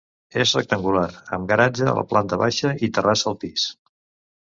És rectangular, amb garatge a la planta baixa i terrassa al pis.